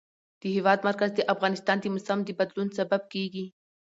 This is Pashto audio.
د هېواد مرکز د افغانستان د موسم د بدلون سبب کېږي.